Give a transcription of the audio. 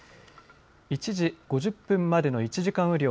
１時５０分までの１時間雨量。